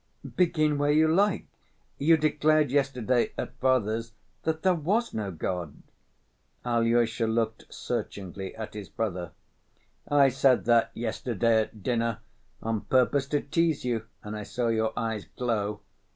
"Begin where you like. You declared yesterday at father's that there was no God." Alyosha looked searchingly at his brother. "I said that yesterday at dinner on purpose to tease you and I saw your eyes glow.